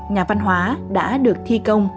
nhà văn hóa đã được thi công